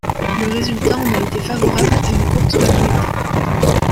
Le résultat en a été favorable à une courte majorité.